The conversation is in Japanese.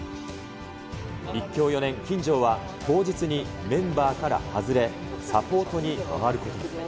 立教４年、金城は当日にメンバーから外れ、サポートに回ることに。